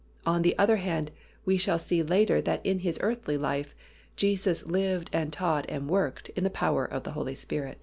On the other hand, we shall see later that in His earthly life, Jesus lived and taught and worked in the power of the Holy Spirit.